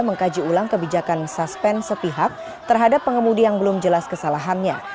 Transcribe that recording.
mengkaji ulang kebijakan suspen sepihak terhadap pengemudi yang belum jelas kesalahannya